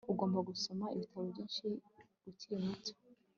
Ugomba gusoma ibitabo byinshi ukiri muto